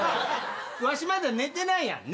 わしまだ寝てないやん。